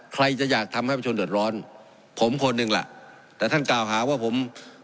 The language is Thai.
ใครจะอยากทำให้ประชาชนเดือดร้อนผมคนหนึ่งล่ะแต่ท่านกล่าวหาว่าผม